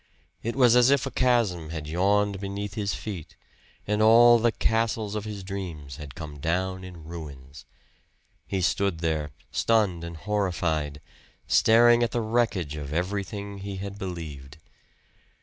It was as if a chasm had yawned beneath his feet, and all the castles of his dreams had come down in ruins. He stood there, stunned and horrified, staring at the wreckage of everything he had believed.